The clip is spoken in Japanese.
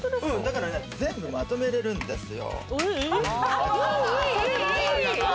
全部まとめられるんですよ。